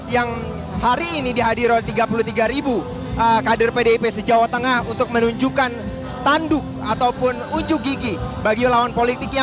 yang hari ini dihadir oleh tiga puluh tiga kader pdip se jawa tengah untuk menunjukkan tanduk ataupun unjuk gigi bagi lawan politiknya